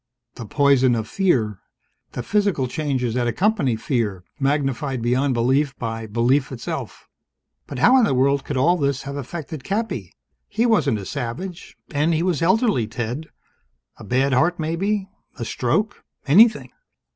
"The poison of fear. The physical changes that accompany fear, magnified beyond belief by belief itself." "But how in the world could all this have affected Cappy? He wasn't a savage. And he was elderly, Ted. A bad heart, maybe. A stroke. Anything."